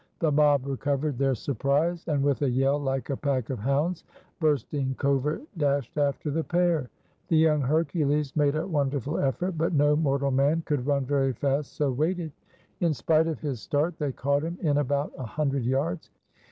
The mob recovered their surprise, and with a yell like a pack of hounds bursting covert dashed after the pair. The young Hercules made a wonderful effort, but no mortal man could run very fast so weighted. In spite of his start they caught him in about a hundred yards.